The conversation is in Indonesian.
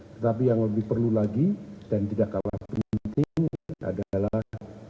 tetapi yang lebih perlu lagi dan tidak kalah penting adalah